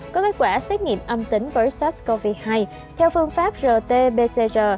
có kết quả xét nghiệm âm tính với sars cov hai theo phương pháp rt pcr